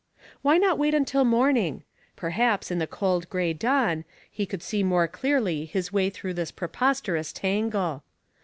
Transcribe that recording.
Why not wait until morning? Perhaps, in the cold gray dawn, he would see more clearly his way through this preposterous tangle.